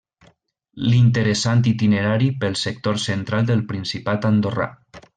L'interessant itinerari pel sector central del principat andorrà.